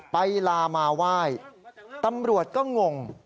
ไปลามาไหว้ตำรวจก็งง